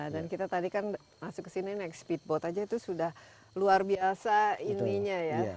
dan kita tadi kan masuk ke sini naik speed boat saja itu sudah luar biasa ininya ya